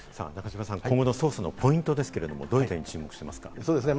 今後の捜査のポイントですけれども、どういう点に注目していますか？